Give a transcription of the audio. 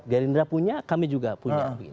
gerindra punya kami juga punya